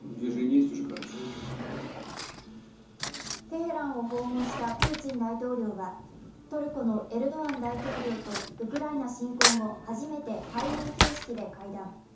テヘランを訪問したプーチン大統領はトルコのエルドアン大統領とウクララ侵攻後初めて対面形式で会談。